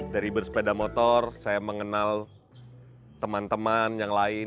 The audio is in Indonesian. dari bersepeda motor saya mengenal teman teman yang lain